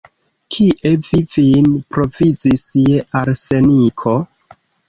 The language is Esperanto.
Kie vi vin provizis je arseniko?